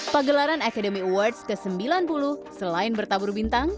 pagelaran academy awards ke sembilan puluh selain bertabur bintang